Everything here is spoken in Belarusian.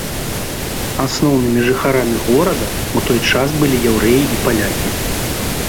Асноўнымі жыхарамі горада ў той час былі яўрэі і палякі.